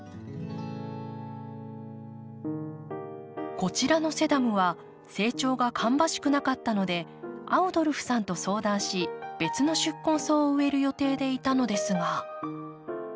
こちらのセダムは成長が芳しくなかったのでアウドルフさんと相談し別の宿根草を植える予定でいたのですが。